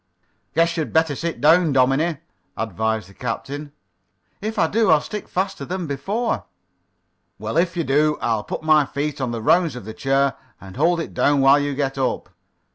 "Guess you'd better sit down, dominie," advised the captain. "If I do, I'll stick faster than before." "Well, if you do I'll put my feet on the rounds of the chair and hold it down while you get up.